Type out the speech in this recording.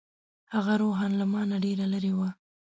هغه روحاً له ما نه ډېره لرې وه.